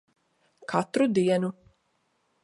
Katru dienu.